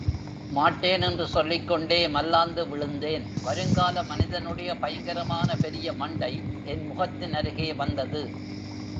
மாட்டேன் என்று சொல்லிக்கொண்டே மல்லாந்து விழுந்தேன் வருங்கால மனிதனுடைய பயங்கரமான பெரிய மண்டை என் முகத்தினருகே வந்தது.